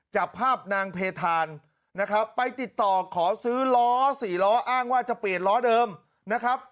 จับภาพนางเพธานนะครับไปติดต่อขอซื้อล้อสี่ล้ออ้างว่าจะเปลี่ยนล้อเดิมนะครับ